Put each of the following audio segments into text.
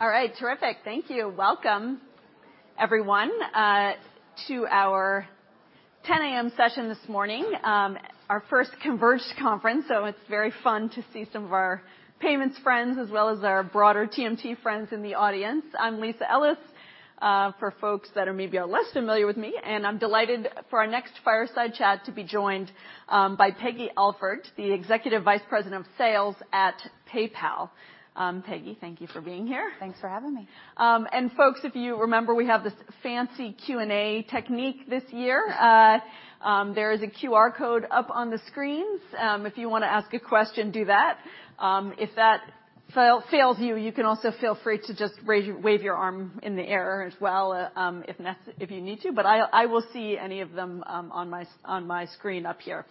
All right. Terrific. Thank you. Welcome, everyone, to our 10:00 A.M. session this morning. Our first converged conference, it's very fun to see some of our payments friends as well as our broader TMT friends in the audience. I'm Lisa Ellis, for folks that are maybe less familiar with me, and I'm delighted for our next fireside chat to be joined by Peggy Alford, the Executive Vice President of Sales at PayPal. Peggy, thank you for being here. Thanks for having me. Folks, if you remember, we have this fancy Q&A technique this year. There is a QR code up on the screens. If you wanna ask a question, do that. If that fails you can also feel free to just wave your arm in the air as well, if you need to. I will see any of them, on my screen up here.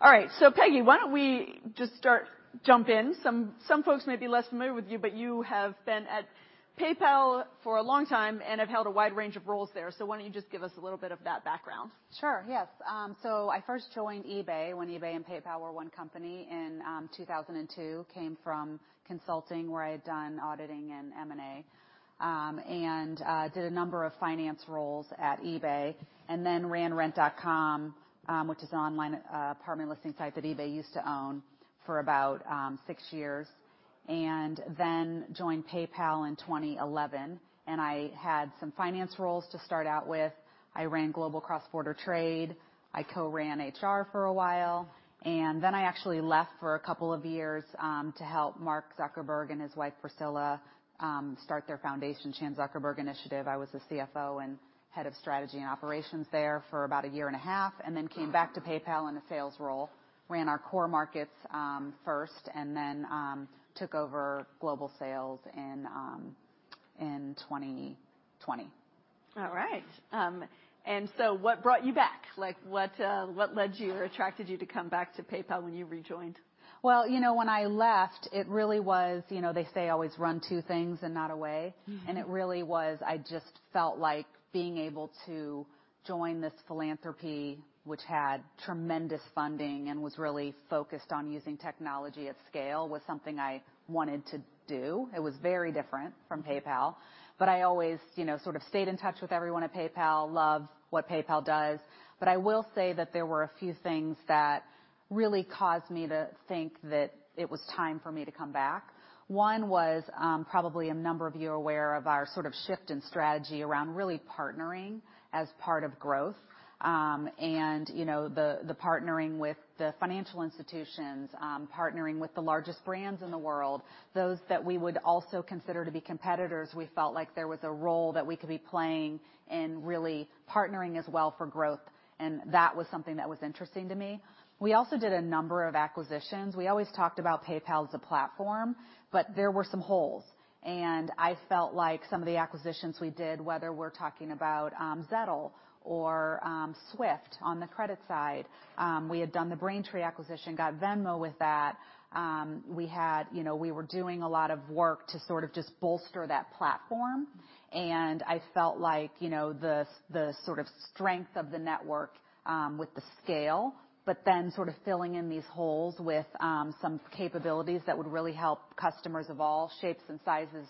Peggy, why don't we just start, jump in. Some folks may be less familiar with you, but you have been at PayPal for a long time and have held a wide range of roles there. Why don't you just give us a little bit of that background? Sure. Yes. I first joined eBay when eBay and PayPal were one company in 2002. Came from consulting, where I had done auditing and M&A. Did a number of finance roles at eBay and then ran Rent.com, which is an online apartment listing site that eBay used to own, for about six years. Joined PayPal in 2011, and I had some finance roles to start out with. I ran Global Cross-Border Trade. I co-ran HR for a while, and then I actually left for a couple of years to help Mark Zuckerberg and his wife, Priscilla, start their foundation, Chan Zuckerberg Initiative. I was the CFO and Head of Strategy and Operations there for about a year and a half, and then came back to PayPal in a sales role, ran our core markets, first, and then took over global sales in 2020. All right. What brought you back? Like, what led you or attracted you to come back to PayPal when you rejoined? Well, you know, when I left, it really was, you know, they say always run to things and not away. Mm-hmm. It really was, I just felt like being able to join this philanthropy, which had tremendous funding and was really focused on using technology at scale, was something I wanted to do. It was very different from PayPal, but I always, you know, sort of stayed in touch with everyone at PayPal, love what PayPal does. I will say that there were a few things that really caused me to think that it was time for me to come back. One was, probably a number of you are aware of our sort of shift in strategy around really partnering as part of growth. You know, the partnering with the financial institutions, partnering with the largest brands in the world, those that we would also consider to be competitors. We felt like there was a role that we could be playing in really partnering as well for growth. That was something that was interesting to me. We also did a number of acquisitions. We always talked about PayPal as a platform, but there were some holes, and I felt like some of the acquisitions we did, whether we're talking about Zettle or Swift on the credit side. We had done the Braintree acquisition, got Venmo with that. We had, you know, we were doing a lot of work to sort of just bolster that platform. I felt like, you know, the sort of strength of the network with the scale, but then sort of filling in these holes with some capabilities that would really help customers of all shapes and sizes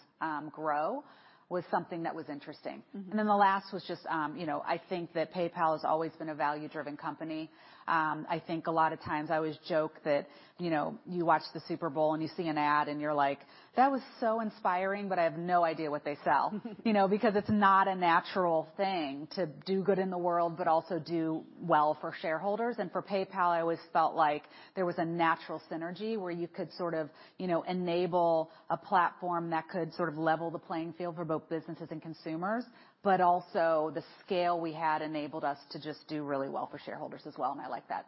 grow, was something that was interesting. Mm-hmm. The last was just, you know, I think that PayPal has always been a value-driven company. I think a lot of times I always joke that, you know, you watch the Super Bowl and you see an ad and you're like, "That was so inspiring, but I have no idea what they sell." You know, because it's not a natural thing to do good in the world, but also do well for shareholders. I always felt like there was a natural synergy where you could sort of, you know, enable a platform that could sort of level the playing field for both businesses and consumers. The scale we had enabled us to just do really well for shareholders as well. I like that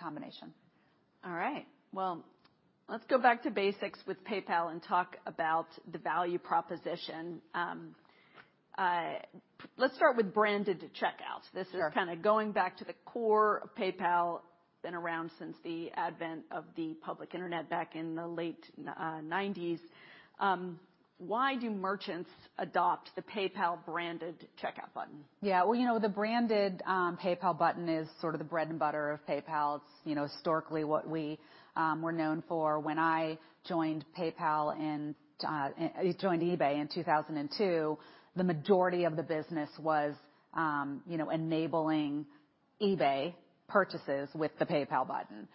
combination. All right. Well, let's go back to basics with PayPal and talk about the value proposition. Let's start with branded checkout. Sure. This is kinda going back to the core of PayPal. Been around since the advent of the public internet back in the late nineties. Why do merchants adopt the PayPal branded checkout button? Yeah. Well, you know, the branded PayPal button is sort of the bread and butter of PayPal. It's, you know, historically what we were known for. When I joined eBay in 2002, the majority of the business was, you know, enabling eBay purchases with the PayPal button.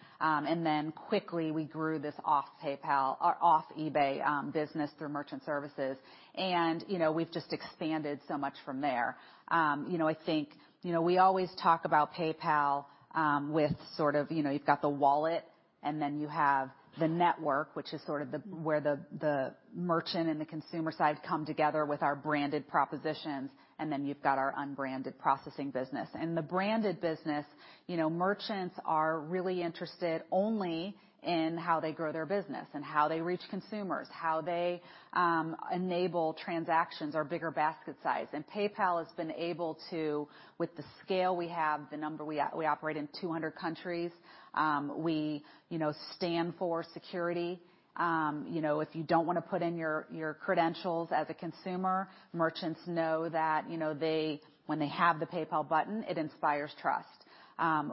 Then quickly we grew this off PayPal or off eBay business through merchant services. You know, we've just expanded so much from there. You know, I think, you know, we always talk about PayPal with sort of, you know, you've got the wallet and then you have the network, which is sort of where the merchant and the consumer side come together with our branded propositions. You've got our unbranded processing business. The branded business, you know, merchants are really interested only in how they grow their business and how they reach consumers, how they enable transactions or bigger basket size. PayPal has been able to, with the scale we have, the number we operate in 200 countries, we, you know, stand for security. you know, if you don't wanna put in your credentials as a consumer, merchants know that, you know, when they have the PayPal button, it inspires trust.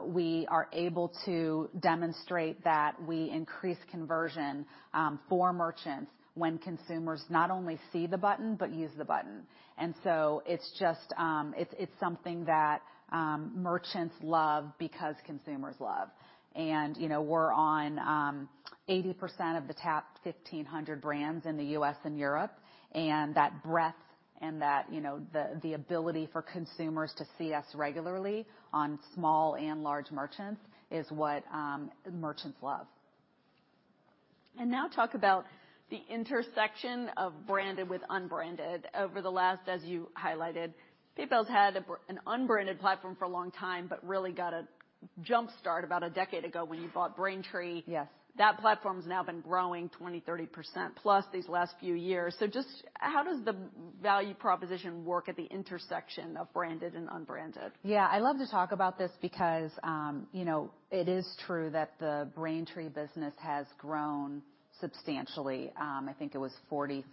we are able to demonstrate that we increase conversion for merchants when consumers not only see the button, but use the button. It's just, it's something that merchants love because consumers love. You know, we're on 80% of the top 1,500 brands in the U.S. and Europe, and that breadth and that, you know, the ability for consumers to see us regularly on small and large merchants is what merchants love. Now talk about the intersection of branded with unbranded. Over the last, as you highlighted, PayPal's had an unbranded platform for a long time, but really got a jump-start about a decade ago when you bought Braintree. Yes. That platform's now been growing 20%, 30% plus these last few years. Just how does the value proposition work at the intersection of branded and unbranded? Yeah. I love to talk about this because, you know, it is true that the Braintree business has grown substantially. I think it was 43%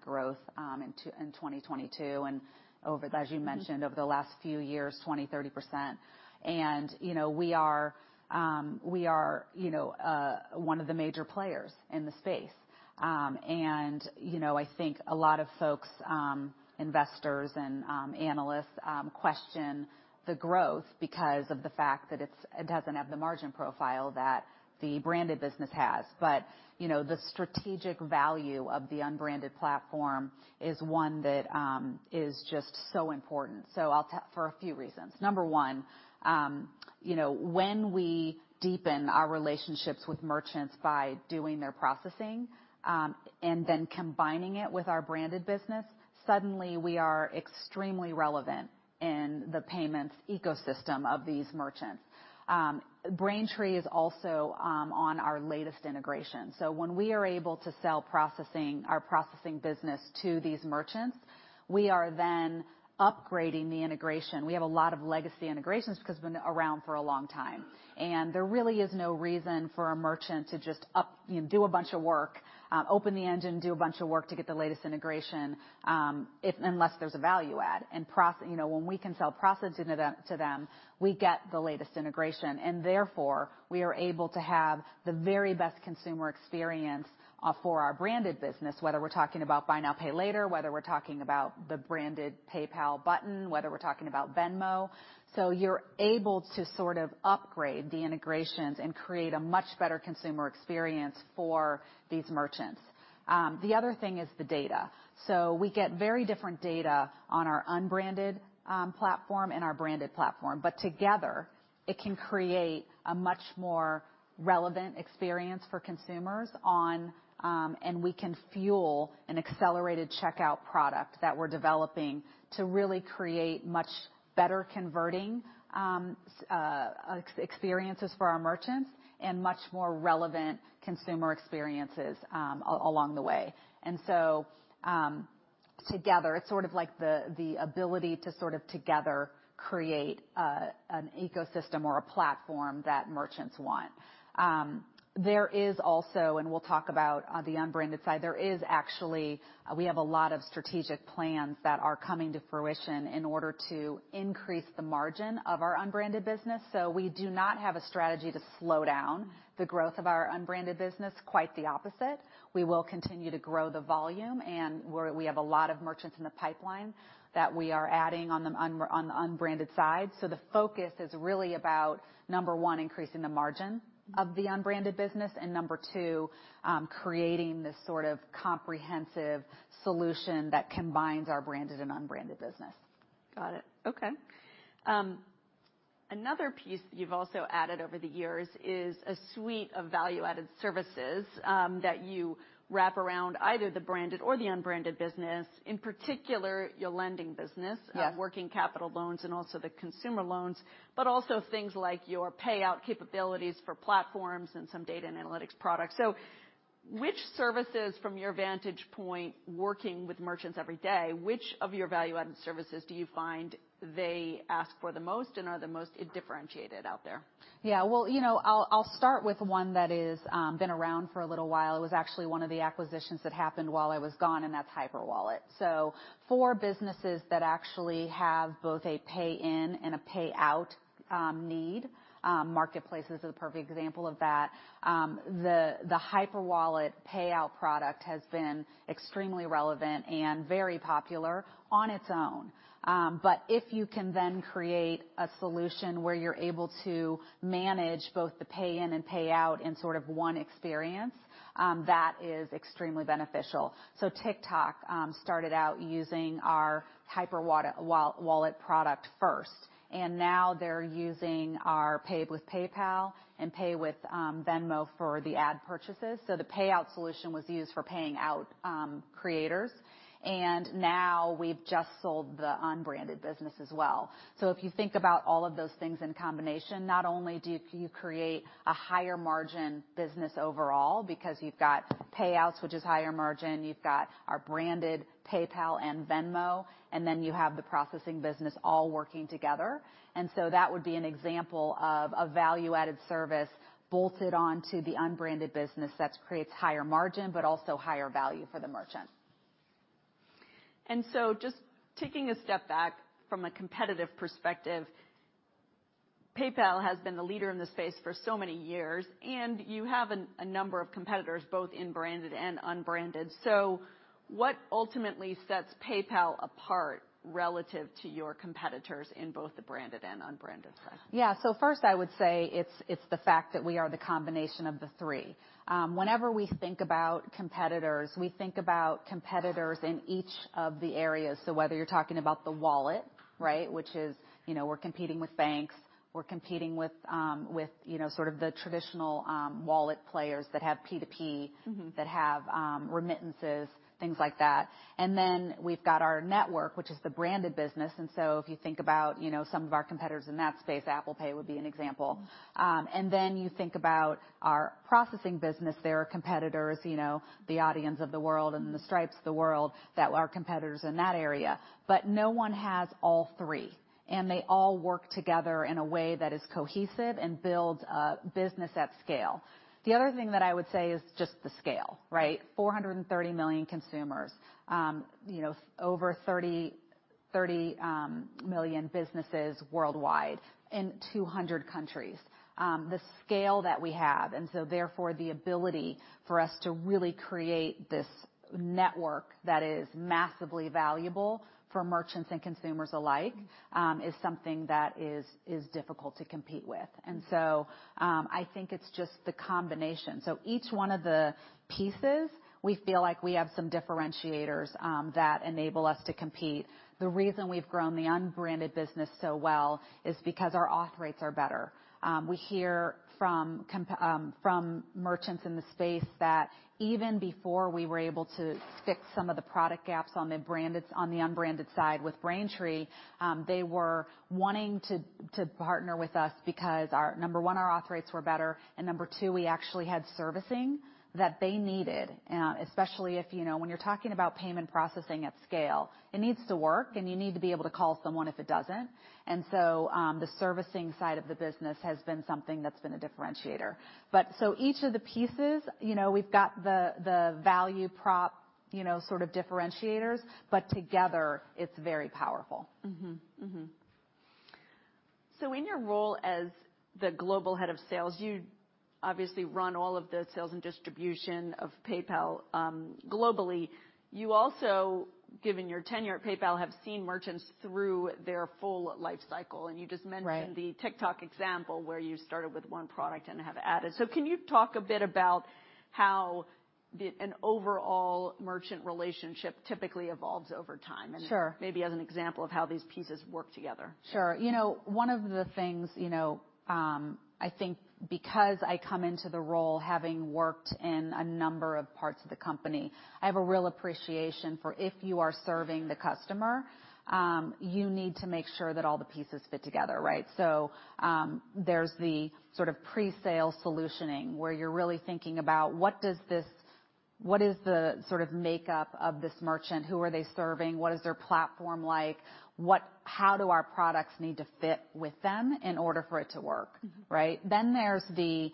growth in 2022, and over, as you mentioned, over the last few years, 20%, 30%. You know, we are, you know, one of the major players in the space. You know, I think a lot of folks, investors and analysts, question the growth because of the fact that it's, it doesn't have the margin profile that the branded business has. You know, the strategic value of the unbranded platform is one that is just so important, so for a few reasons. Number one, you know, when we deepen our relationships with merchants by doing their processing, and then combining it with our branded business, suddenly we are extremely relevant in the payments ecosystem of these merchants. Braintree is also on our latest integration. When we are able to sell processing, our processing business to these merchants, we are then upgrading the integration. We have a lot of legacy integrations because we've been around for a long time, and there really is no reason for a merchant to just, you know, do a bunch of work, open the engine, do a bunch of work to get the latest integration, if and unless there's a value add. You know, when we can sell processing to them, we get the latest integration, and therefore we are able to have the very best consumer experience for our branded business, whether we're talking about Buy Now, Pay Later, whether we're talking about the branded PayPal button, whether we're talking about Venmo. You're able to sort of upgrade the integrations and create a much better consumer experience for these merchants. The other thing is the data. We get very different data on our unbranded platform and our branded platform, but together, it can create a much more relevant experience for consumers on, and we can fuel an accelerated checkout product that we're developing to really create much better converting experiences for our merchants and much more relevant consumer experiences along the way. Together, it's sort of like the ability to sort of together create an ecosystem or a platform that merchants want. There is also, and we'll talk about the unbranded side, there is actually, we have a lot of strategic plans that are coming to fruition in order to increase the margin of our unbranded business. We do not have a strategy to slow down the growth of our unbranded business. Quite the opposite. We will continue to grow the volume, and we have a lot of merchants in the pipeline that we are adding on the unbranded side. The focus is really about, number one, increasing the margin of the unbranded business, and number two, creating this sort of comprehensive solution that combines our branded and unbranded business. Got it. Okay. another piece that you've also added over the years is a suite of value-added services, that you wrap around either the branded or the unbranded business, in particular, your lending business. Yes. Working capital loans and also the consumer loans, but also things like your payout capabilities for platforms and some data and analytics products. Which services from your vantage point, working with merchants every day, which of your value-added services do you find they ask for the most and are the most differentiated out there? Well, you know, I'll start with one that is been around for a little while. It was actually one of the acquisitions that happened while I was gone, and that's Hyperwallet. For businesses that actually have both a pay in and a pay out need, marketplaces is a perfect example of that, the Hyperwallet Payout product has been extremely relevant and very popular on its own. But if you can then create a solution where you're able to manage both the pay in and pay out in sort of one experience, that is extremely beneficial. TikTok started out using our Hyperwallet product first, and now they're using our pay with PayPal and pay with Venmo for the ad purchases. The payout solution was used for paying out creators. Now we've just sold the unbranded business as well. If you think about all of those things in combination, not only do you create a higher margin business overall because you've got payouts, which is higher margin, you've got our branded PayPal and Venmo, and then you have the processing business all working together. That would be an example of a value-added service bolted on to the unbranded business that creates higher margin but also higher value for the merchant. Just taking a step back from a competitive perspective, PayPal has been the leader in this space for so many years, and you have a number of competitors, both in branded and unbranded. What ultimately sets PayPal apart relative to your competitors in both the branded and unbranded side? Yeah. First, I would say it's the fact that we are the combination of the three. Whenever we think about competitors, we think about competitors in each of the areas. Whether you're talking about the wallet, right? Which is, you know, we're competing with banks, we're competing with, you know, sort of the traditional wallet players that have P2P. Mm-hmm. That have remittances, things like that. We've got our network, which is the branded business. If you think about, you know, some of our competitors in that space, Apple Pay would be an example. You think about our processing business, there are competitors, you know, the Adyen's of the world and the Stripe's of the world that are competitors in that area. No one has all three, and they all work together in a way that is cohesive and builds a business at scale. The other thing that I would say is just the scale, right? 430 million consumers, you know, over 30 million businesses worldwide in 200 countries. The scale that we have, and so therefore the ability for us to really create this network that is massively valuable for merchants and consumers alike, is something that is difficult to compete with. Mm-hmm. I think it's just the combination. Each one of the pieces, we feel like we have some differentiators that enable us to compete. The reason we've grown the unbranded business so well is because our authorization rates are better. We hear from merchants in the space that even before we were able to fix some of the product gaps on the unbranded side with Braintree, they were wanting to partner with us because our, number one, our authorization rates were better, and number two, we actually had servicing that they needed. Especially if, you know, when you're talking about payment processing at scale, it needs to work, and you need to be able to call someone if it doesn't. The servicing side of the business has been something that's been a differentiator. Each of the pieces, you know, we've got the value prop, you know, sort of differentiators, but together it's very powerful. In your role as the Global Head of Sales, you obviously run all of the sales and distribution of PayPal, globally. You also, given your tenure at PayPal, have seen merchants through their full life cycle, and you just mentioned. Right. The TikTok example where you started with one product and have added. Can you talk a bit about how an overall merchant relationship typically evolves over time? Sure. Maybe as an example of how these pieces work together. Sure. You know, one of the things, you know, I think because I come into the role having worked in a number of parts of the company, I have a real appreciation for if you are serving the customer, you need to make sure that all the pieces fit together, right? There's the sort of pre-sale solutioning where you're really thinking about what is the sort of makeup of this merchant? Who are they serving? What is their platform like? How do our products need to fit with them in order for it to work? Mm-hmm. Right? There's the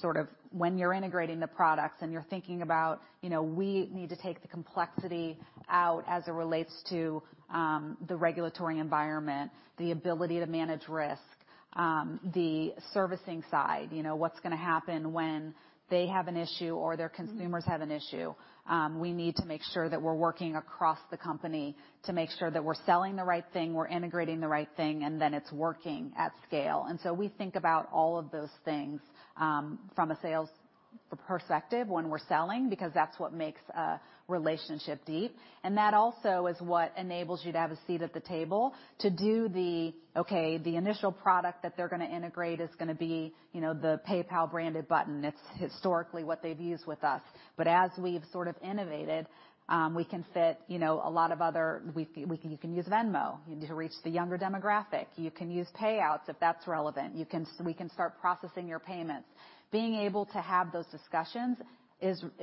sort of when you're integrating the products and you're thinking about, you know, we need to take the complexity out as it relates to the regulatory environment, the ability to manage risk, the servicing side. You know, what's gonna happen when they have an issue or their consumers have an issue? We need to make sure that we're working across the company to make sure that we're selling the right thing, we're integrating the right thing, and then it's working at scale. We think about all of those things from a sales perspective when we're selling, because that's what makes a relationship deep. That also is what enables you to have a seat at the table, the initial product that they're gonna integrate is gonna be, you know, the PayPal branded button. It's historically what they've used with us. As we've sort of innovated, we can fit, you know, a lot of other... You can use Venmo to reach the younger demographic. You can use payouts if that's relevant. We can start processing your payments. Being able to have those discussions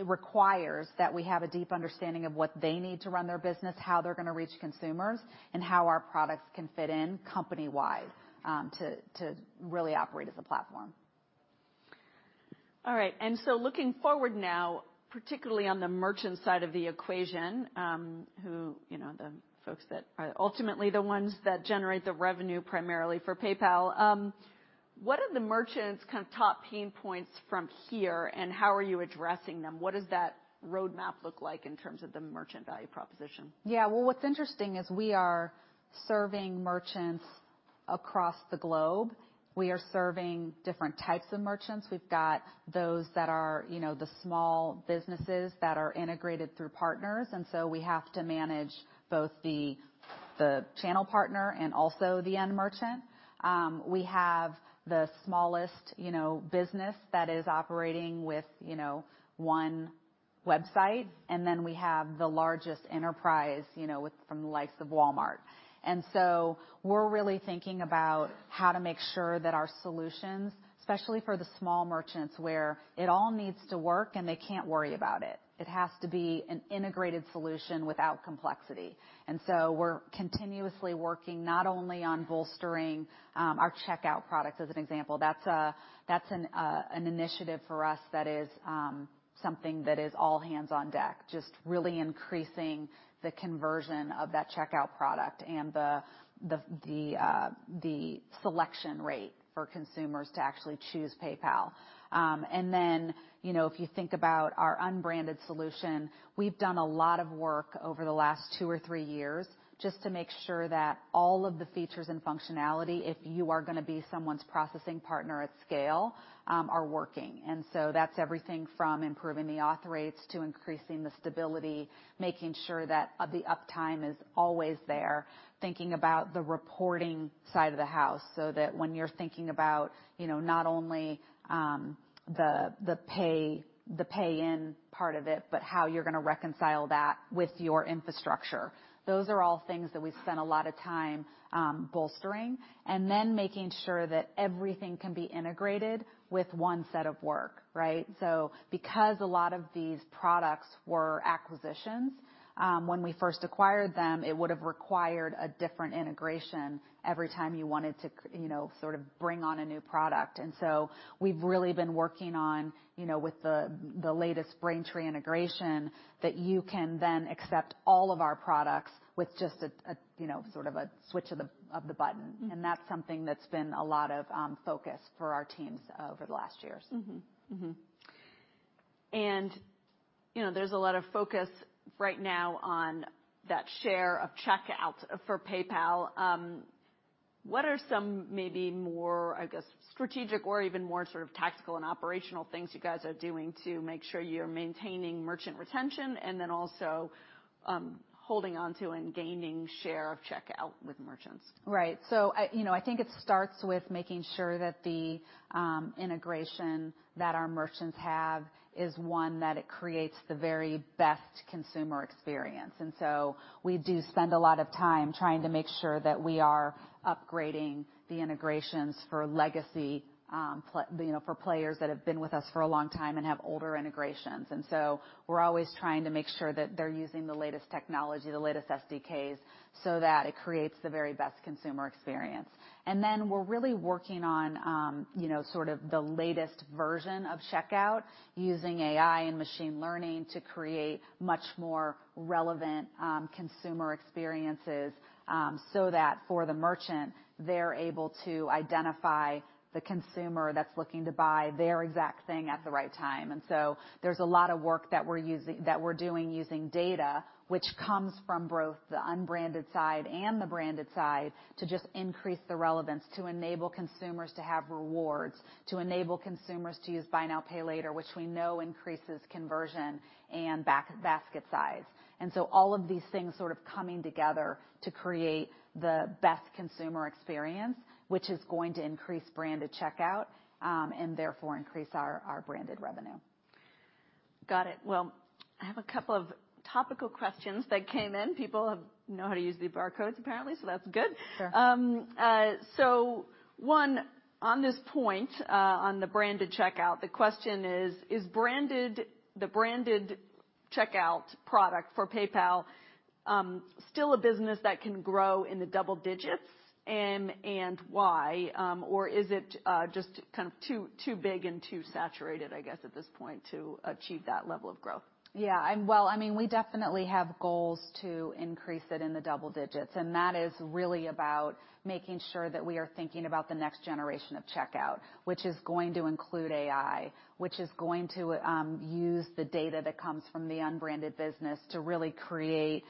requires that we have a deep understanding of what they need to run their business, how they're gonna reach consumers, and how our products can fit in company-wide, to really operate as a platform. All right. Looking forward now, particularly on the merchant side of the equation, who, you know, the folks that are ultimately the ones that generate the revenue primarily for PayPal, what are the merchants kind of top pain points from here, and how are you addressing them? What does that roadmap look like in terms of the merchant value proposition? Yeah. Well, what's interesting is we are serving merchants across the globe. We are serving different types of merchants. We've got those that are, you know, the small businesses that are integrated through partners, we have to manage both the channel partner and also the end merchant. We have the smallest, you know, business that is operating with, you know, one website, and then we have the largest enterprise, you know, from the likes of Walmart. We're really thinking about how to make sure that our solutions, especially for the small merchants, where it all needs to work, and they can't worry about it. It has to be an integrated solution without complexity. We're continuously working not only on bolstering our checkout products, as an example. That's an initiative for us that is something that is all hands on deck, just really increasing the conversion of that checkout product and the selection rate for consumers to actually choose PayPal. You know, if you think about our unbranded solution, we've done a lot of work over the last two or three years just to make sure that all of the features and functionality, if you are gonna be someone's processing partner at scale, are working. That's everything from improving the authorization rates to increasing the stability, making sure that the uptime is always there, thinking about the reporting side of the house, so that when you're thinking about, you know, not only the pay-in part of it, but how you're gonna reconcile that with your infrastructure. Those are all things that we've spent a lot of time, bolstering and then making sure that everything can be integrated with one set of work, right? Because a lot of these products were acquisitions, when we first acquired them, it would have required a different integration every time you wanted to you know, sort of bring on a new product. We've really been working on, you know, with the latest Braintree integration that you can then accept all of our products with just a, you know, sort of a switch of the, of the button. Mm-hmm. That's something that's been a lot of focus for our teams over the last years. Mm-hmm. Mm-hmm. You know, there's a lot of focus right now on that share of checkout for PayPal. What are some maybe more, I guess, strategic or even more sort of tactical and operational things you guys are doing to make sure you're maintaining merchant retention and then also, holding onto and gaining share of checkout with merchants? Right. I, you know, I think it starts with making sure that the integration that our merchants have is one that it creates the very best consumer experience. We do spend a lot of time trying to make sure that we are upgrading the integrations for legacy, you know, for players that have been with us for a long time and have older integrations. We're always trying to make sure that they're using the latest technology, the latest SDKs, so that it creates the very best consumer experience. We're really working on, you know, sort of the latest version of checkout using AI and machine learning to create much more relevant consumer experiences, so that for the merchant, they're able to identify the consumer that's looking to buy their exact thing at the right time. There's a lot of work that we're doing using data which comes from both the unbranded side and the branded side to just increase the relevance, to enable consumers to have rewards, to enable consumers to use Buy Now, Pay Later, which we know increases conversion and basket size. All of these things sort of coming together to create the best consumer experience, which is going to increase branded checkout, and therefore, increase our branded revenue. Got it. Well, I have a couple of topical questions that came in. People have know how to use the barcodes apparently, so that's good. Sure. One, on this point, on the branded checkout, the question is: Is the branded checkout product for PayPal, still a business that can grow in the double digits and why? Is it just kind of too big and too saturated, I guess, at this point to achieve that level of growth? Yeah. Well, I mean, we definitely have goals to increase it in the double digits, and that is really about making sure that we are thinking about the next generation of checkout, which is going to include AI, which is going to use the data that comes from the unbranded business to really create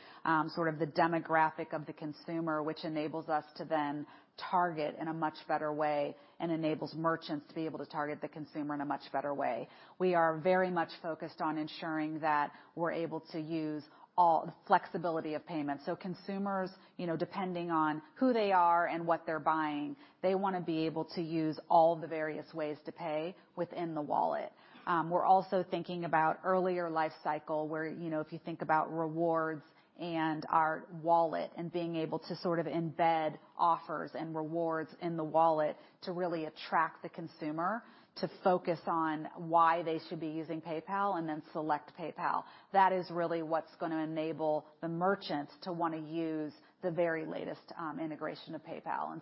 sort of the demographic of the consumer, which enables us to then target in a much better way and enables merchants to be able to target the consumer in a much better way. We are very much focused on ensuring that we're able to use all the flexibility of payment. Consumers, you know, depending on who they are and what they're buying, they wanna be able to use all the various ways to pay within the wallet. We're also thinking about earlier life cycle, where, you know, if you think about rewards and our wallet and being able to sort of embed offers and rewards in the wallet to really attract the consumer to focus on why they should be using PayPal and then select PayPal. That is really what's gonna enable the merchants to wanna use the very latest integration of PayPal.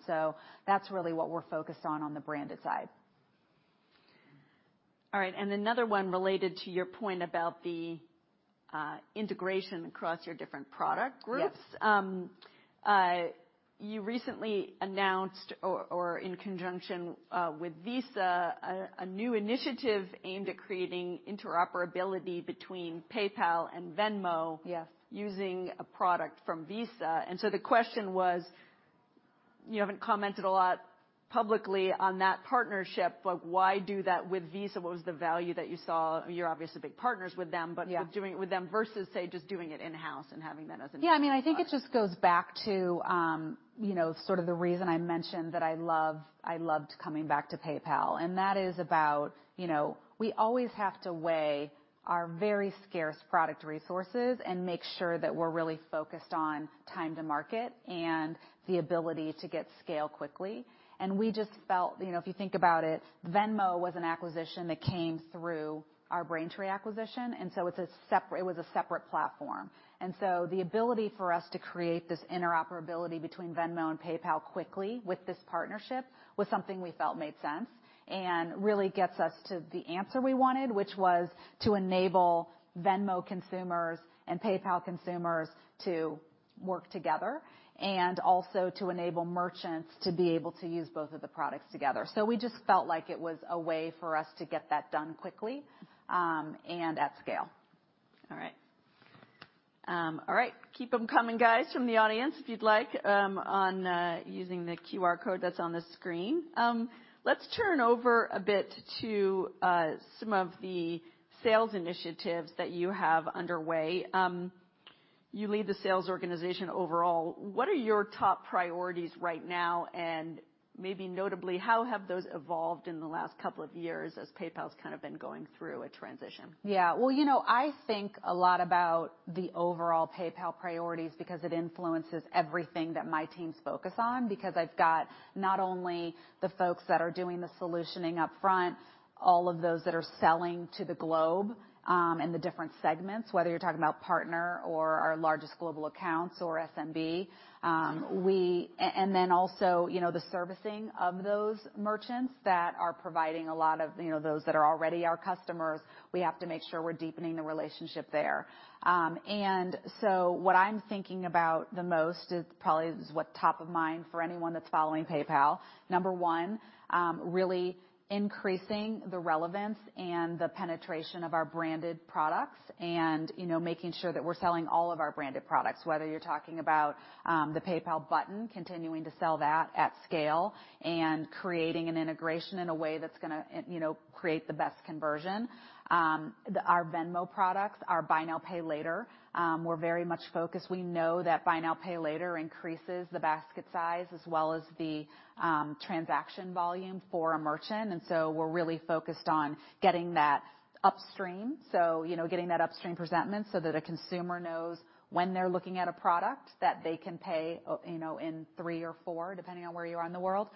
That's really what we're focused on on the branded side. All right. Another one related to your point about the integration across your different product groups. Yeah. You recently announced or in conjunction with Visa a new initiative aimed at creating interoperability between PayPal and Venmo. Yes. Using a product from Visa. The question was, You haven't commented a lot publicly on that partnership, but why do that with Visa? What was the value that you saw? You're obviously big partners with them... Yeah. doing it with them versus, say, just doing it in-house and having that as an Yeah. I mean, I think it just goes back to, you know, sort of the reason I mentioned that I loved coming back to PayPal. That is about, you know, we always have to weigh our very scarce product resources and make sure that we're really focused on time to market and the ability to get scale quickly. We just felt... You know, if you think about it, Venmo was an acquisition that came through our Braintree acquisition, it was a separate platform. The ability for us to create this interoperability between Venmo and PayPal quickly with this partnership was something we felt made sense and really gets us to the answer we wanted, which was to enable Venmo consumers and PayPal consumers to work together, and also to enable merchants to be able to use both of the products together. We just felt like it was a way for us to get that done quickly and at scale. All right. All right, keep them coming, guys, from the audience if you'd like, on using the QR code that's on the screen. Let's turn over a bit to some of the sales initiatives that you have underway. You lead the sales organization overall. What are your top priorities right now? Maybe notably, how have those evolved in the last couple of years as PayPal's kind of been going through a transition? Well, you know, I think a lot about the overall PayPal priorities because it influences everything that my teams focus on because I've got not only the folks that are doing the solutioning up front, all of those that are selling to the globe, and the different segments, whether you're talking about partner or our largest global accounts or SMB. You know, the servicing of those merchants that are providing a lot of, you know, those that are already our customers, we have to make sure we're deepening the relationship there. What I'm thinking about the most is probably is what top of mind for anyone that's following PayPal. Number one, really increasing the relevance and the penetration of our branded products and, you know, making sure that we're selling all of our branded products, whether you're talking about the PayPal button, continuing to sell that at scale and creating an integration in a way that's gonna, you know, create the best conversion. Our Venmo products, our Buy Now, Pay Later, we're very much focused. We know that Buy Now, Pay Later increases the basket size as well as the transaction volume for a merchant. We're really focused on getting that upstream, so, you know, getting that upstream presentment so that a consumer knows when they're looking at a product that they can pay, you know, in three or four, depending on where you are in the world.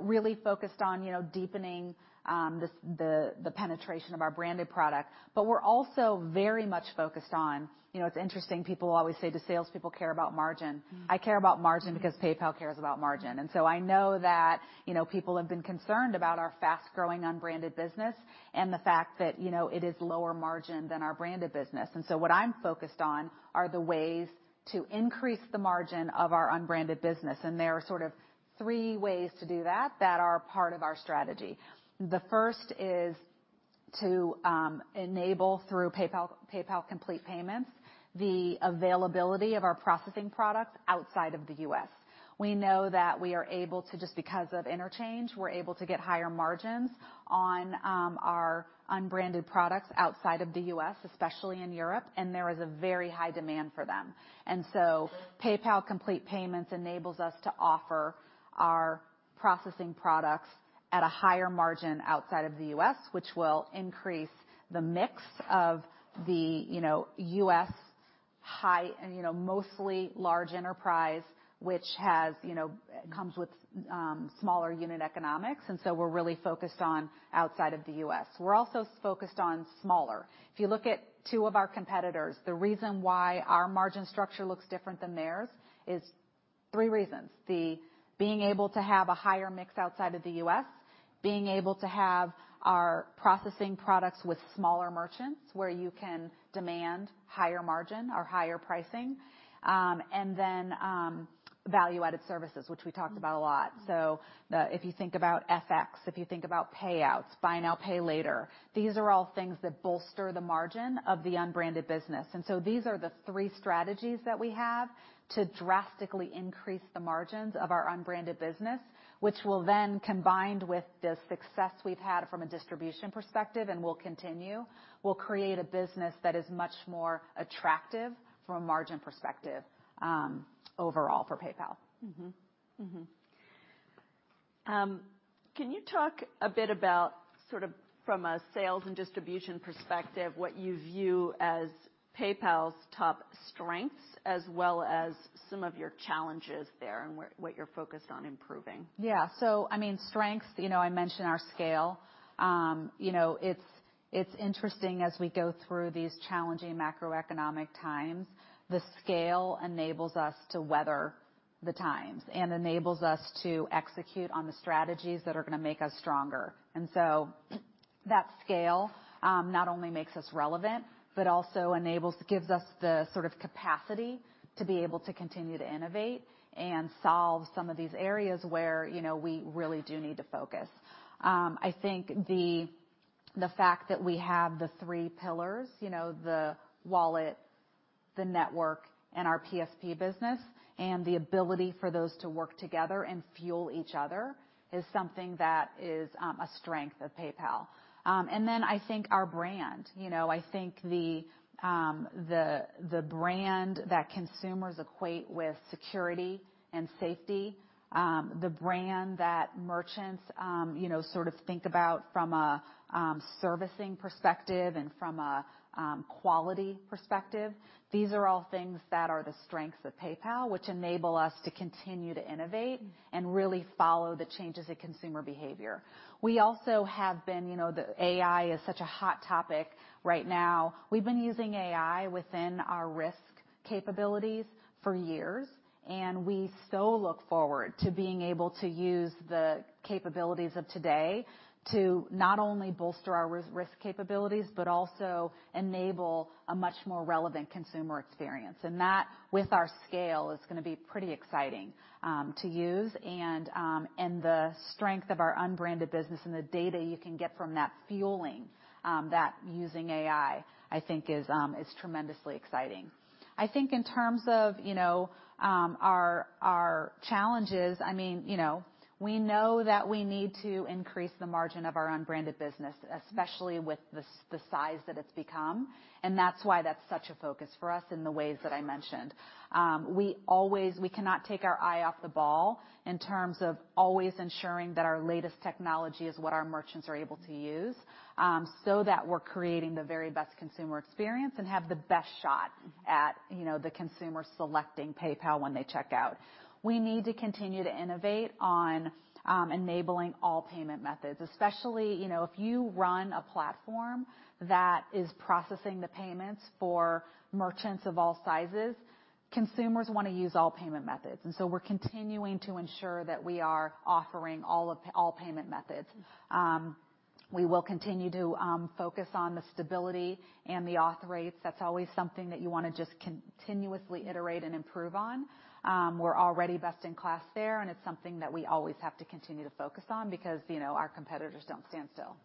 Really focused on, you know, deepening the penetration of our branded product. We're also very much focused on, you know, it's interesting, people always say do salespeople care about margin. Mm-hmm. I care about margin because PayPal cares about margin. I know that, you know, people have been concerned about our fast-growing unbranded business and the fact that, you know, it is lower margin than our branded business. What I'm focused on are the ways to increase the margin of our unbranded business. There are sort of three ways to do that that are part of our strategy. The first is to enable through PayPal Complete Payments, the availability of our processing products outside of the U.S. We know that we are able to, just because of interchange, we're able to get higher margins on our unbranded products outside of the U.S., especially in Europe, and there is a very high demand for them. PayPal Complete Payments enables us to offer our processing products at a higher margin outside of the U.S., which will increase the mix of the, you know, U.S. high, and, you know, mostly large enterprise, which has, you know, comes with smaller unit economics. We're really focused on outside of the U.S. We're also focused on smaller. If you look at two of our competitors, the reason why our margin structure looks different than theirs is three reasons. The being able to have a higher mix outside of the U.S., being able to have our processing products with smaller merchants, where you can demand higher margin or higher pricing, and then value-added services, which we talked about a lot. Mm-hmm. If you think about FX, if you think about Payouts, Buy Now, Pay Later, these are all things that bolster the margin of the unbranded business. These are the three strategies that we have to drastically increase the margins of our unbranded business, which will then, combined with the success we've had from a distribution perspective and will continue, will create a business that is much more attractive from a margin perspective, overall for PayPal. Can you talk a bit about sort of from a sales and distribution perspective, what you view as PayPal's top strengths as well as some of your challenges there and what you're focused on improving? Yeah. I mean, strengths, you know, I mentioned our scale. You know, it's interesting as we go through these challenging macroeconomic times, the scale enables us to weather the times and enables us to execute on the strategies that are gonna make us stronger. That scale, not only makes us relevant, but also gives us the sort of capacity to be able to continue to innovate and solve some of these areas where, you know, we really do need to focus. I think the fact that we have the three pillars, you know, the wallet, the network, and our PSP business, and the ability for those to work together and fuel each other is something that is a strength of PayPal. I think our brand. You know, I think the brand that consumers equate with security and safety, the brand that merchants, you know, sort of think about from a servicing perspective and from a quality perspective, these are all things that are the strengths of PayPal, which enable us to continue to innovate and really follow the changes in consumer behavior. We also have been, you know, the AI is such a hot topic right now. We've been using AI within our risk capabilities for years, and we so look forward to being able to use the capabilities of today to not only bolster our risk capabilities but also enable a much more relevant consumer experience. That, with our scale, is gonna be pretty exciting to use. The strength of our unbranded business and the data you can get from that fueling that using AI, I think is tremendously exciting. I think in terms of, you know, our challenges, I mean, you know, we know that we need to increase the margin of our unbranded business, especially with the size that it's become, and that's why that's such a focus for us in the ways that I mentioned. We cannot take our eye off the ball in terms of always ensuring that our latest technology is what our merchants are able to use, so that we're creating the very best consumer experience and have the best shot at, you know, the consumer selecting PayPal when they check out. We need to continue to innovate on enabling all payment methods, especially, you know, if you run a platform that is processing the payments for merchants of all sizes, consumers wanna use all payment methods. We're continuing to ensure that we are offering all payment methods. We will continue to focus on the stability and the authorization rates. That's always something that you wanna just continuously iterate and improve on. We're already best in class there, and it's something that we always have to continue to focus on because, you know, our competitors don't stand still.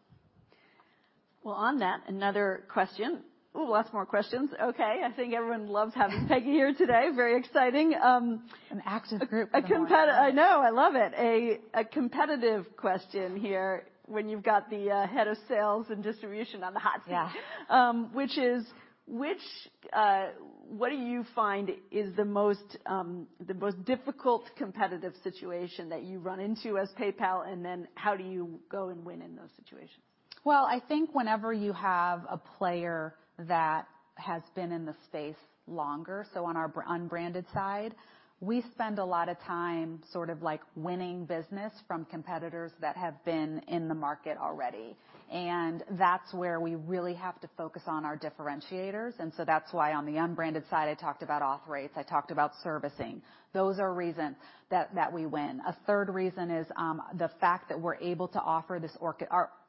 On that, another question. Ooh, lots more questions. I think everyone loves having Peggy here today. Very exciting. An active group. I know, I love it. A competitive question here when you've got the Head of Sales and Distribution on the hot seat. Yeah. Which, what do you find is the most, the most difficult competitive situation that you run into as PayPal, and then how do you go and win in those situations? I think whenever you have a player that has been in the space longer, on our unbranded side, we spend a lot of time sort of like winning business from competitors that have been in the market already. That's where we really have to focus on our differentiators, that's why on the unbranded side I talked about authorization rates, I talked about servicing. Those are reasons that we win. A third reason is the fact that we're able to offer this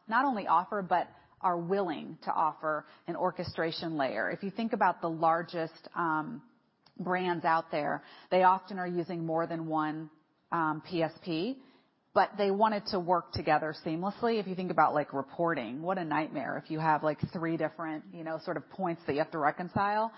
not only offer, but are willing to offer an orchestration layer. If you think about the largest brands out there, they often are using more than one PSP, but they want it to work together seamlessly. If you think about like reporting, what a nightmare if you have like three different, you know, sort of points that you have to reconcile.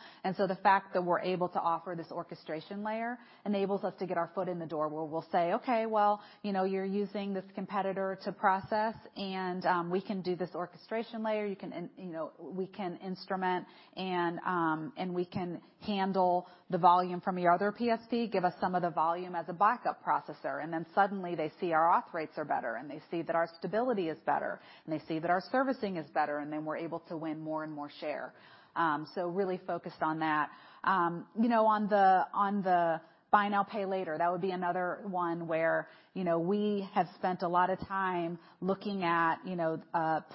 The fact that we're able to offer this orchestration layer enables us to get our foot in the door, where we'll say, "Okay, well, you know, you're using this competitor to process, and we can do this orchestration layer. You know, we can instrument and we can handle the volume from your other PSP. Give us some of the volume as a backup processor." Suddenly they see our authorization rates are better, and they see that our stability is better, and they see that our servicing is better, and then we're able to win more and more share. Really focused on that. You know, on the Buy Now, Pay Later, that would be another one where, you know, we have spent a lot of time looking at, you know,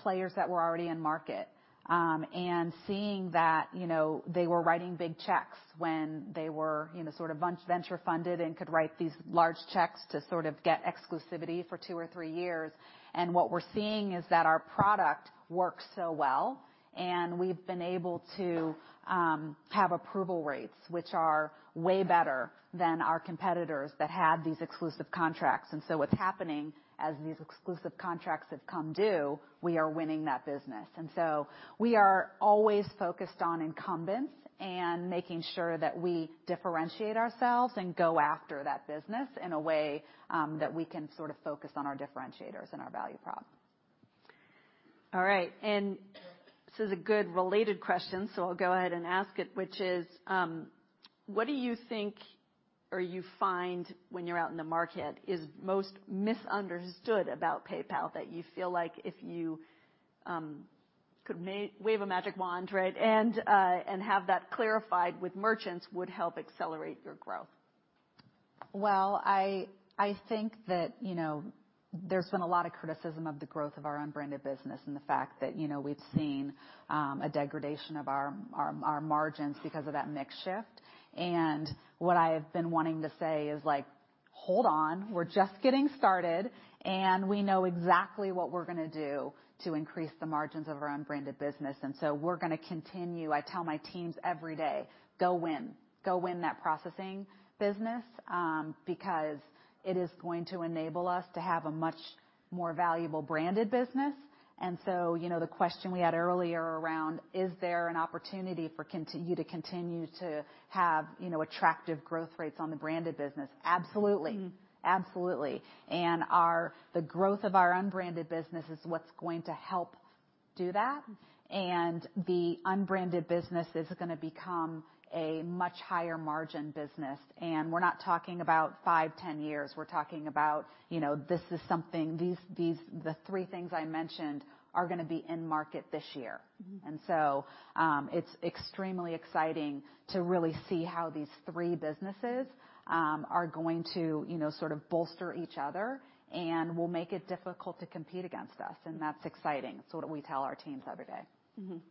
players that were already in market. Seeing that, you know, they were writing big checks when they were, you know, sort of venture funded and could write these large checks to sort of get exclusivity for two or three years. What we're seeing is that our product works so well, and we've been able to have approval rates which are way better than our competitors that had these exclusive contracts. What's happening, as these exclusive contracts have come due, we are winning that business. We are always focused on incumbents and making sure that we differentiate ourselves and go after that business in a way that we can sort of focus on our differentiators and our value props. All right. The good related question, so I'll go ahead and ask it, which is, what do you think or you find when you're out in the market is most misunderstood about PayPal that you feel like if you, could wave a magic wand, right? And have that clarified with merchants would help accelerate your growth? Well, I think that, you know, there's been a lot of criticism of the growth of our unbranded business and the fact that, you know, we've seen a degradation of our margins because of that mix shift. What I have been wanting to say is like, Hold on, we're just getting started, we know exactly what we're gonna do to increase the margins of our unbranded business. We're gonna continue. I tell my teams every day, "Go win. Go win that processing business," because it is going to enable us to have a much more valuable branded business. You know, the question we had earlier around, is there an opportunity for you to continue to have, you know, attractive growth rates on the branded business? Absolutely. Mm. Absolutely. The growth of our unbranded business is what's going to help do that. Mm. The unbranded business is gonna become a much higher margin business. We're not talking about five, 10 years, we're talking about, you know, these three things I mentioned are gonna be in market this year. Mm-hmm. It's extremely exciting to really see how these three businesses are going to, you know, sort of bolster each other and will make it difficult to compete against us, and that's exciting. It's what we tell our teams every day.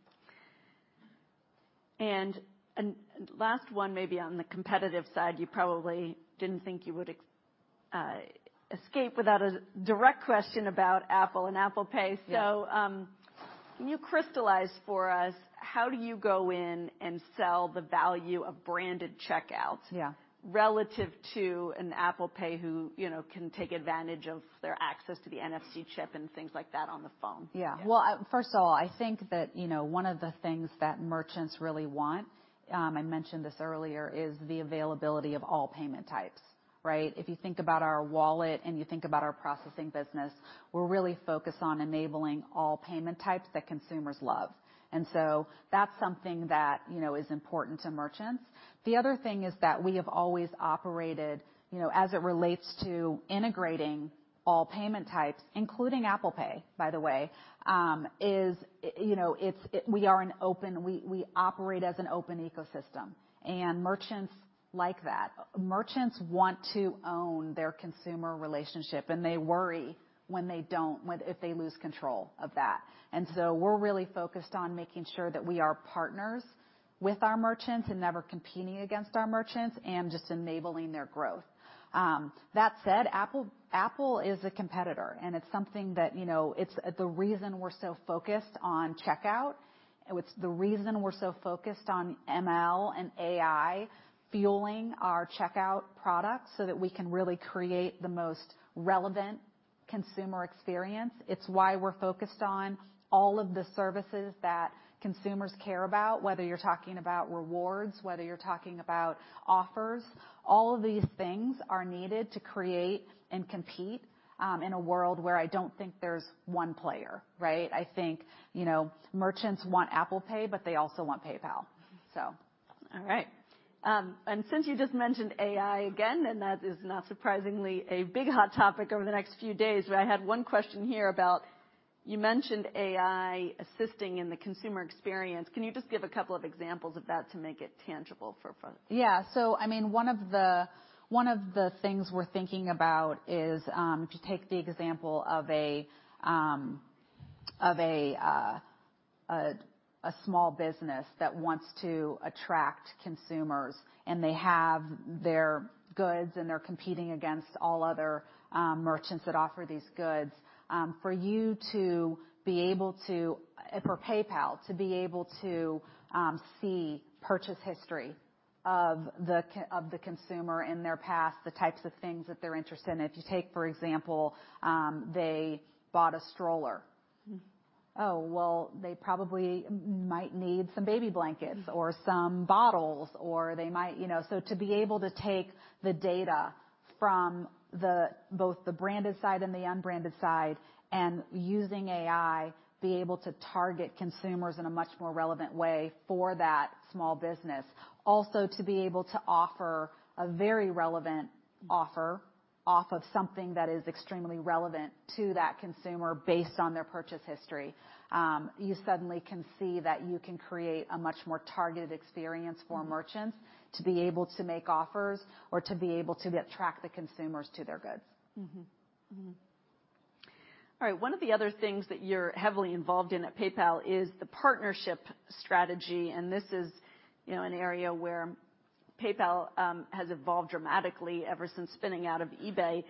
And last one maybe on the competitive side, you probably didn't think you would escape without a direct question about Apple and Apple Pay? Yes. Can you crystallize for us, how do you go in and sell the value of branded checkout? Yeah Relative to an Apple Pay who, you know, can take advantage of their access to the NFC chip and things like that on the phone? Yeah. Yeah. Well, I, first of all, I think that, you know, one of the things that merchants really want, I mentioned this earlier, is the availability of all payment types, right? If you think about our wallet and you think about our processing business, we're really focused on enabling all payment types that consumers love. That's something that, you know, is important to merchants. The other thing is that we have always operated, you know, as it relates to integrating all payment types, including Apple Pay, by the way, is, you know, we are an open, we operate as an open ecosystem. Merchants like that. Merchants want to own their consumer relationship, and they worry when they don't, if they lose control of that. We're really focused on making sure that we are partners with our merchants and never competing against our merchants, and just enabling their growth. That said, Apple is a competitor, and it's something that, you know, it's the reason we're so focused on checkout. It's the reason we're so focused on ML and AI fueling our checkout products, so that we can really create the most relevant consumer experience. It's why we're focused on all of the services that consumers care about, whether you're talking about rewards, whether you're talking about offers. All of these things are needed to create and compete in a world where I don't think there's one player, right? I think, you know, merchants want Apple Pay, but they also want PayPal. All right. Since you just mentioned AI again, and that is not surprisingly a big hot topic over the next few days, but I had one question here about, you mentioned AI assisting in the consumer experience. Can you just give a couple of examples of that to make it tangible for folks? Yeah. I mean, one of the, one of the things we're thinking about is to take the example of a small business that wants to attract consumers, and they have their goods, and they're competing against all other merchants that offer these goods. For you to be able to, for PayPal to be able to see purchase history of the consumer in their past, the types of things that they're interested in. If you take, for example, they bought a stroller. Mm. Oh, well, they probably might need some baby blankets... Mm.... or some bottles, or they might, you know. To be able to take the data from the, both the branded side and the unbranded side and using AI, be able to target consumers in a much more relevant way for that small business. To be able to offer a very relevant offer off of something that is extremely relevant to that consumer based on their purchase history. you suddenly can see that you can create a much more targeted experience for merchants- Mm. ... to be able to make offers or to be able to get, track the consumers to their goods. Mm-hmm. Mm-hmm. All right. One of the other things that you're heavily involved in at PayPal is the partnership strategy. This is, you know, an area where PayPal has evolved dramatically ever since spinning out of eBay.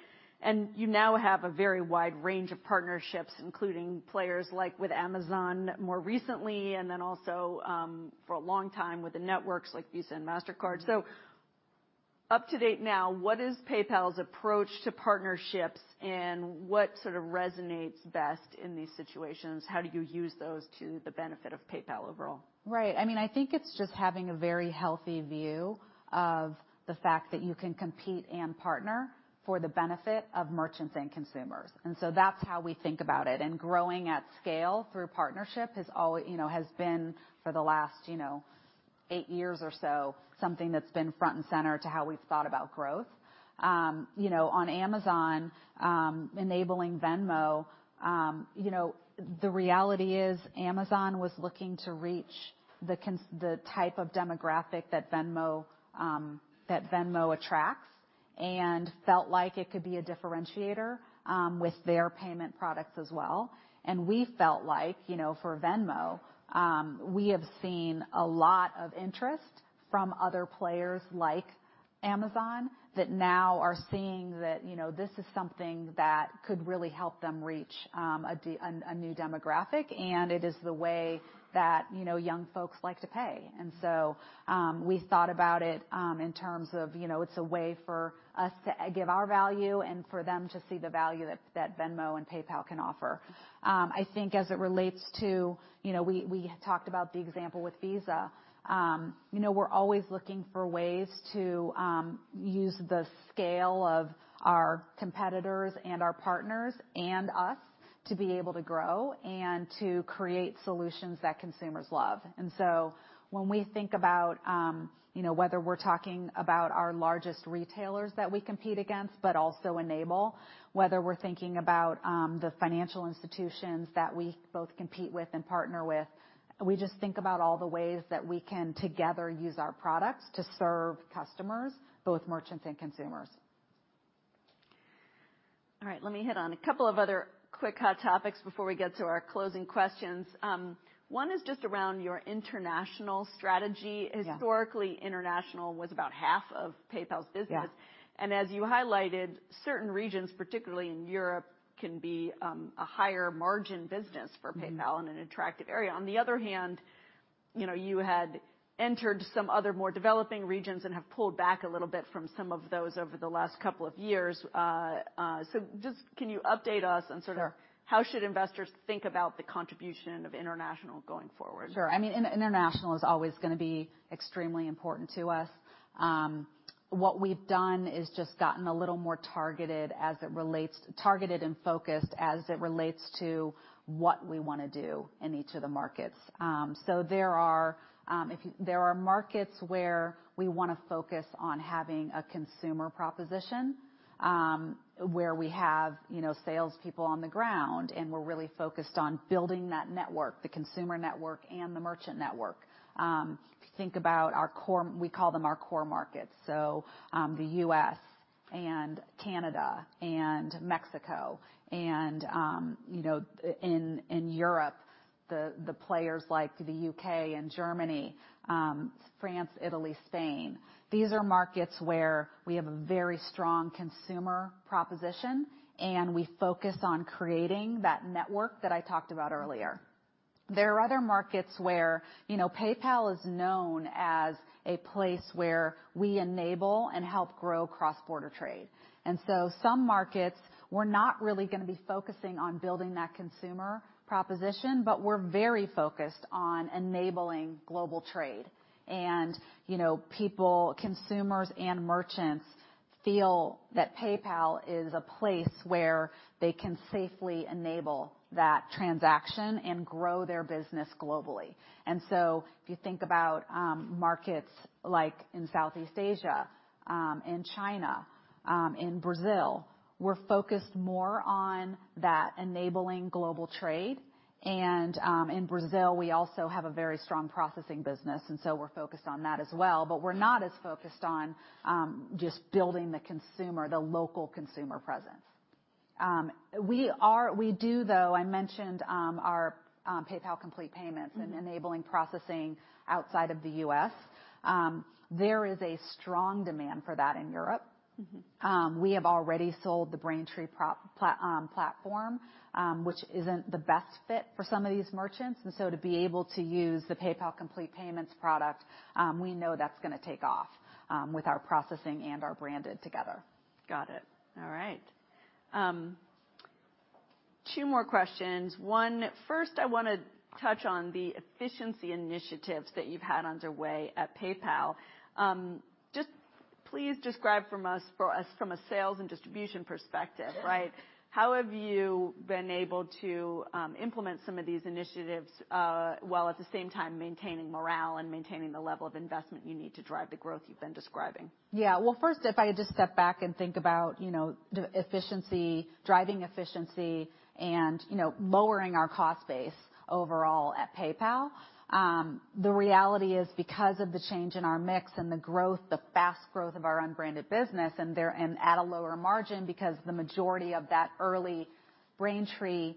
You now have a very wide range of partnerships, including players like with Amazon more recently, and then also, for a long time with the networks like Visa and Mastercard. Mm-hmm. Up to date now, what is PayPal's approach to partnerships, and what sort of resonates best in these situations? How do you use those to the benefit of PayPal overall? I mean, I think it's just having a very healthy view of the fact that you can compete and partner for the benefit of merchants and consumers. That's how we think about it, and growing at scale through partnership has you know, has been, for the last, you know, eight years or so, something that's been front and center to how we've thought about growth. You know, on Amazon, enabling Venmo, you know, the reality is Amazon was looking to reach the type of demographic that Venmo, that Venmo attracts and felt like it could be a differentiator with their payment products as well. We felt like, you know, for Venmo, we have seen a lot of interest-From other players like Amazon that now are seeing that, you know, this is something that could really help them reach a new demographic, and it is the way that, you know, young folks like to pay. We thought about it, in terms of, you know, it's a way for us to give our value and for them to see the value that Venmo and PayPal can offer. I think as it relates to, you know, we had talked about the example with Visa. You know, we're always looking for ways to use the scale of our competitors and our partners and us to be able to grow and to create solutions that consumers love. When we think about, you know, whether we're talking about our largest retailers that we compete against, but also enable, whether we're thinking about, the financial institutions that we both compete with and partner with, we just think about all the ways that we can together use our products to serve customers, both merchants and consumers. All right, let me hit on a couple of other quick hot topics before we get to our closing questions. One is just around your international strategy. Yeah. Historically, international was about half of PayPal's business. Yeah. As you highlighted, certain regions, particularly in Europe, can be a higher margin business for PayPal. Mm-hmm. And an attractive area. On the other hand, you know, you had entered some other more developing regions and have pulled back a little bit from some of those over the last couple of years. Just can you update us on? Sure. How should investors think about the contribution of international going forward? Sure. I mean, in-international is always gonna be extremely important to us. What we've done is just gotten a little more targeted and focused as it relates to what we wanna do in each of the markets. So there are markets where we wanna focus on having a consumer proposition, where we have, you know, sales people on the ground, and we're really focused on building that network, the consumer network and the merchant network. If you think about our core, we call them our core markets, so, the U.S. and Canada and Mexico and, you know, in Europe, the players like the U.K. and Germany, France, Italy, Spain. These are markets where we have a very strong consumer proposition, and we focus on creating that network that I talked about earlier. There are other markets where, you know, PayPal is known as a place where we enable and help grow cross-border trade. Some markets, we're not really gonna be focusing on building that consumer proposition, but we're very focused on enabling global trade. You know, people, consumers and merchants feel that PayPal is a place where they can safely enable that transaction and grow their business globally. If you think about markets like in Southeast Asia, in China, in Brazil, we're focused more on that enabling global trade. In Brazil, we also have a very strong processing business, and so we're focused on that as well. We're not as focused on just building the consumer, the local consumer presence. We do, though, I mentioned, our PayPal Complete Payments. Mm-hmm. Enabling processing outside of the U.S., there is a strong demand for that in Europe. Mm-hmm. We have already sold the Braintree platform, which isn't the best fit for some of these merchants. To be able to use the PayPal Complete Payments product, we know that's gonna take off with our processing and our branded together. Got it. All right. Two more questions. One, first, I wanna touch on the efficiency initiatives that you've had underway at PayPal. Just please describe for us from a sales and distribution perspective, right? How have you been able to implement some of these initiatives while at the same time maintaining morale and maintaining the level of investment you need to drive the growth you've been describing? Yeah. Well, first, if I just step back and think about, you know, the efficiency, driving efficiency and, you know, lowering our cost base overall at PayPal, the reality is because of the change in our mix and the growth, the fast growth of our unbranded business and at a lower margin, because the majority of that early Braintree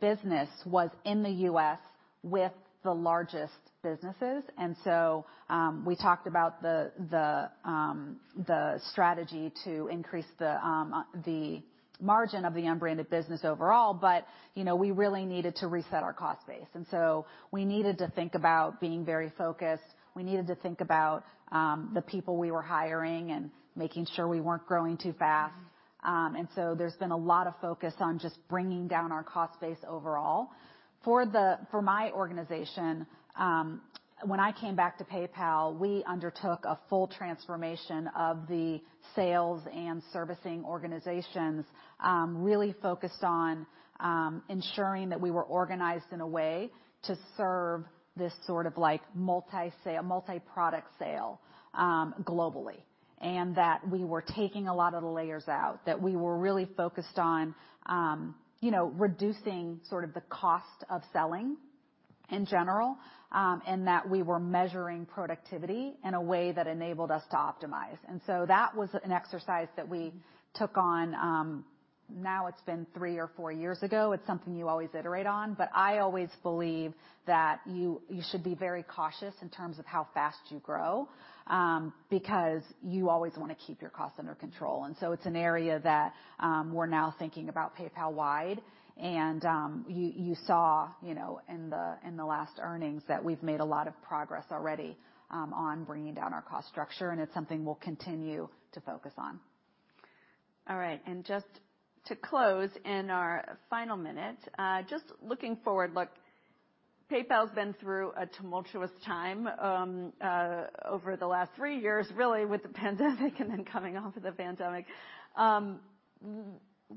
business was in the U.S. with the largest businesses. We talked about the strategy to increase the margin of the unbranded business overall, but, you know, we really needed to reset our cost base. We needed to think about being very focused. We needed to think about the people we were hiring and making sure we weren't growing too fast. Mm-hmm. There's been a lot of focus on just bringing down our cost base overall. For my organization, when I came back to PayPal, we undertook a full transformation of the sales and servicing organizations, really focused on ensuring that we were organized in a way to serve this sort of like multi-product sale, globally. That we were taking a lot of the layers out, that we were really focused on, you know, reducing sort of the cost of selling-In general, and that we were measuring productivity in a way that enabled us to optimize. That was an exercise that we took on, now it's been three or four years ago. It's something you always iterate on. I always believe that you should be very cautious in terms of how fast you grow, because you always wanna keep your costs under control. It's an area that we're now thinking about PayPal-wide, and you saw, you know, in the last earnings that we've made a lot of progress already on bringing down our cost structure, and it's something we'll continue to focus on. All right. Just to close, in our final minute, just looking forward. Look, PayPal's been through a tumultuous time over the last three years really with the pandemic and then coming off of the pandemic.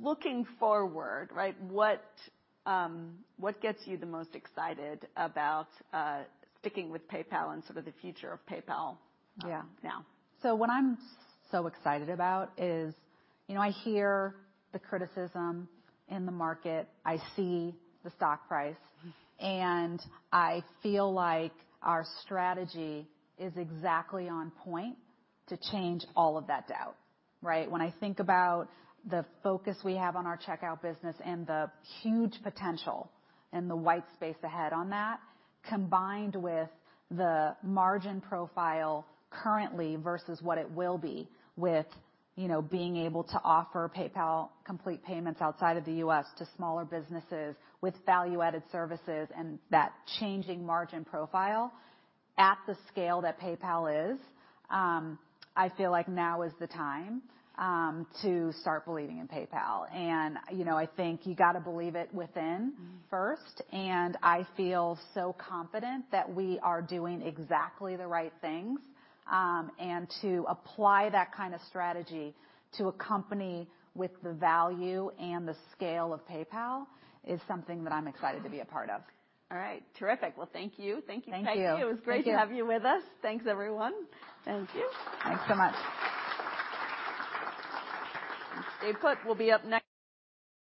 Looking forward, right, what gets you the most excited about sticking with PayPal and sort of the future of PayPal, now? Yeah. What I'm so excited about is, you know, I hear the criticism in the market, I see the stock price. Mm-hmm. I feel like our strategy is exactly on point to change all of that doubt, right? When I think about the focus we have on our checkout business and the huge potential in the white space ahead on that, combined with the margin profile currently versus what it will be with, you know, being able to offer PayPal Complete Payments outside of the U.S. to smaller businesses with value-added services and that changing margin profile at the scale that PayPal is, I feel like now is the time to start believing in PayPal. You know, I think you gotta believe it within first. Mm-hmm. I feel so confident that we are doing exactly the right things, and to apply that kind of strategy to a company with the value and the scale of PayPal is something that I'm excited to be a part of. All right. Terrific. Well, thank you. Thank you. Thank you. It was great to have you with us. Thanks, everyone. Thank you. Thanks so much. Stay put. We'll be up next.